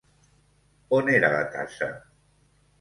On era la tassa?